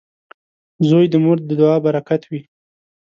• زوی د مور د دعا برکت وي.